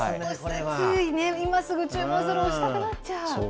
ついね、今すぐ注文するを押したくなっちゃう。